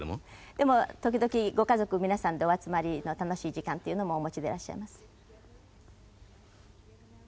でも時々ご家族皆さんでお集まりの楽しい時間っていうのもお持ちでいらっしゃいます？